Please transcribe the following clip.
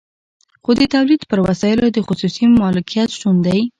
خو د تولید پر وسایلو د خصوصي مالکیت شتون دی